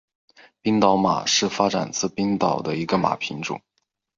冰岛马是发展自冰岛的一个马品种。